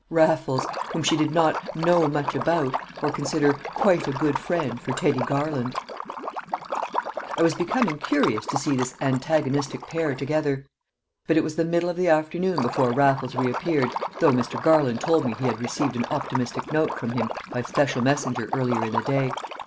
Raffles, whom she did not "know much about," or consider "quite a good friend" for Teddy Garland! I was becoming curious to see this antagonistic pair together; but it was the middle of the afternoon before Raffles reappeared, though Mr. Garland told me he had received an optimistic note from him by special messenger earlier in the day.